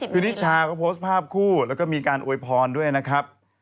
คือนิชาก็โพสต์ภาพคู่แล้วก็มีการอวยพรด้วยนะครับ